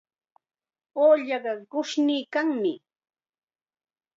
Ullaqa qushniykanmi.